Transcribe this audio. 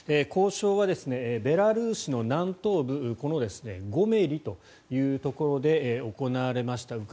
交渉はベラルーシの南東部ゴメリというところで行われました。